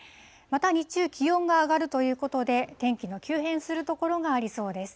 また日中、気温が上がるということで、天気の急変する所がありそうです。